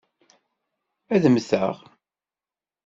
Ad mmteɣ.